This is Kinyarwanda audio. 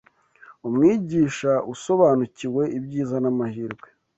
Umwigisha usobanukiwe ibyiza n’amahirwe